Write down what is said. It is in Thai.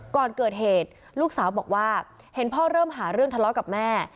ก่อนเกิดเหตุลูกสาวบอกว่าเห็นพ่อเริ่มหาเรื่องทะเลาะกับแม่